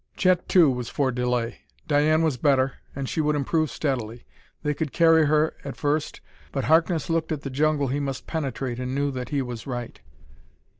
Chet, too, was for delay Diane was better, and she would improve steadily. They could carry her, at first. But Harkness looked at the jungle he must penetrate and knew that he was right.